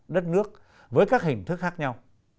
đất nước với các hình thức khác nhau